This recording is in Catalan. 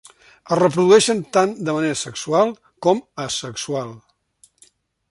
Es reprodueixen tant de manera sexual com asexual.